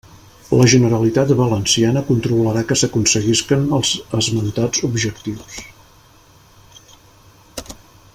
La Generalitat Valenciana controlarà que s'aconseguisquen els esmentats objectius.